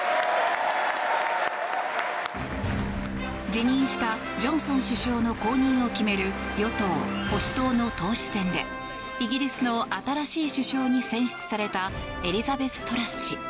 辞任したジョンソン首相の後任を決める与党・保守党の党首選でイギリスの新しい首相に選出されたエリザベス・トラス氏。